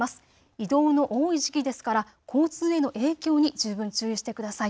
移動の多い時期ですから交通への影響に十分注意してください。